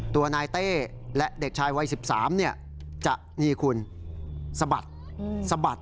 ตัวนายเต้และเด็กชายวัย๑๓จะนี่คุณสะบัดสะบัด